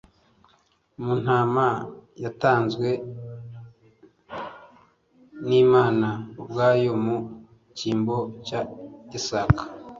Mu ntama yatanzwe n'Imana ubwayo mu cyimbo cya Isaka,